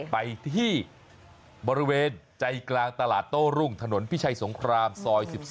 ไปที่บริเวณใจกลางตลาดโต้รุ่งถนนพิชัยสงครามซอย๑๒